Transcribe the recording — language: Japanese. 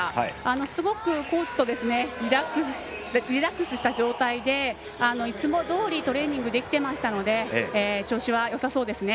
すごくコーチとリラックスした状態でいつもどおり、トレーニングできていましたので調子はよさそうですね。